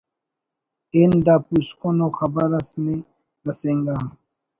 ہِن دا پوسکن ءُ خبر اس نے رسینگا